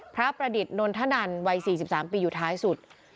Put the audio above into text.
พระประดิษฐ์นนทนันวัยสี่สิบสามปีอยู่ท้ายสุด